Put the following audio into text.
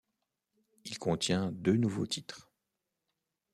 Il contient deux nouveaux titres.